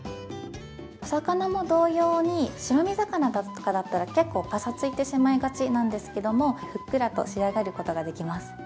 お魚も同様に、白身魚だったら結構ぱさついてしまいがちなんですけども、ふっくらと仕上がることができます。